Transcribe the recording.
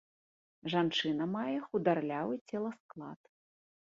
Жанчына мае хударлявы целасклад.